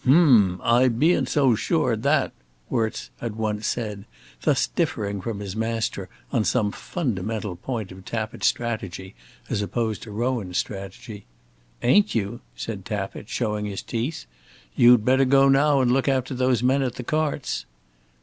"H m, I bean't so zure o' that," Worts had once said, thus differing from his master on some fundamental point of Tappitt strategy as opposed to Rowan strategy. "Ain't you?" said Tappitt, showing his teeth. "You'd better go now and look after those men at the carts."